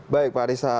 baik pak arissa